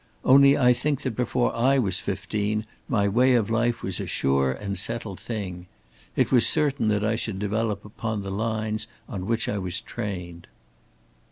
Only I think that before I was fifteen my way of life was a sure and settled thing. It was certain that I should develop upon the lines on which I was trained."